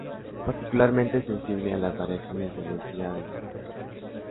Particularmente sensible a las variaciones de densidad del agua.